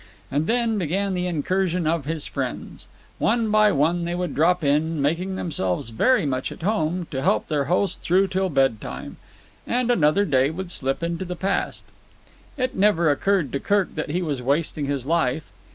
And then began the incursion of his friends. One by one they would drop in, making themselves very much at home, to help their host through till bedtime. And another day would slip into the past. It never occurred to Kirk that he was wasting his life.